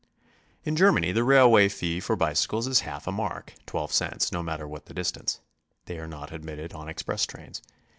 In Germany the railway fee for bicycles is half a mark, J2 cents, mo matter what the distance. They are not admitted on exp ress trains.